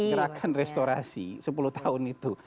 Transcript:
gerakan restorasi sepuluh tahun itu